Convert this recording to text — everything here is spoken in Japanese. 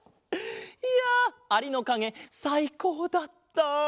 いやアリのかげさいこうだった！